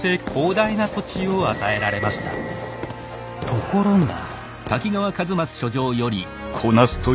ところが。